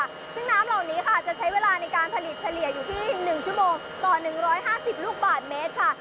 ซึ่งน้ำเหล่านี้ค่ะจะใช้เวลาในการผลิตเฉลี่ยอยู่ที่๑ชั่วโมงต่อ๑๕๐ลูกบาทเมตรค่ะ